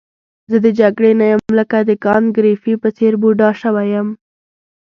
زه د جګړې نه یم لکه د کانت ګریفي په څېر بوډا شوی یم.